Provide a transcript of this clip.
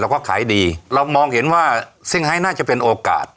ก็ขายดีเรามองเห็นว่าซิ่งไฮน่าจะเป็นโอกาส